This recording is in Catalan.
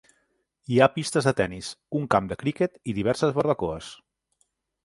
Hi ha pistes de tennis, un camp de criquet i diverses barbacoes.